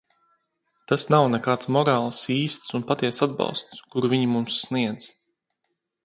Tas nav nekāds morāls, īsts un patiess atbalsts, kuru viņi mums sniedz.